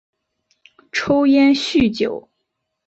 抽烟酗酒